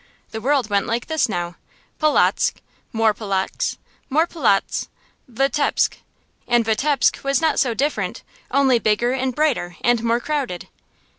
The world went like this now: Polotzk more Polotzk more Polotzk Vitebsk! And Vitebsk was not so different, only bigger and brighter and more crowded.